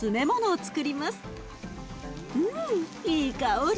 うんいい香り。